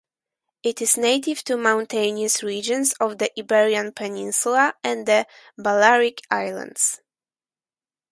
It is native to mountainous regions of the Iberian Peninsula and the Balearic Islands.